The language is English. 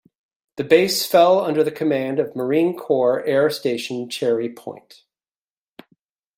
The base fell under the command of Marine Corps Air Station Cherry Point.